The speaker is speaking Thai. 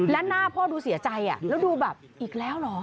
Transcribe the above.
และหน้าพ่อดูเสียใจแล้วดูแบบอีกแล้วเหรอ